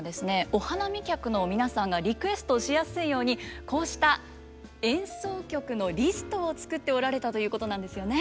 お花見客の皆さんがリクエストしやすいようにこうした演奏曲のリストを作っておられたということなんですよね。